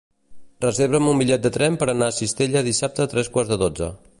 Reserva'm un bitllet de tren per anar a Cistella dissabte a tres quarts de dotze.